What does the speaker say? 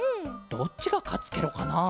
どっちがかつケロかな？